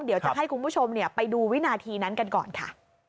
เดี๋ยวจะให้คุณผู้ชมไปดูวินาทีนั้นกันก่อนค่ะ